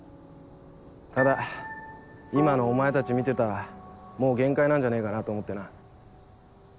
ただ今のお前たち見てたらもう限界なんじゃねえかなと思ってな。